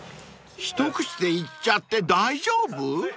［一口でいっちゃって大丈夫？］